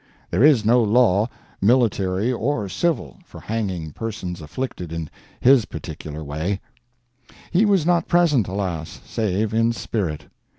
There is no law, military or civil, for hanging persons afflicted in his peculiar way. He was not present, alas!—save in spirit.